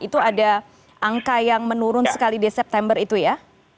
itu ada angka yang menurun sekali di september itu ya